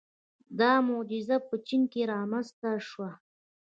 • دا معجزه په چین کې رامنځته شوه.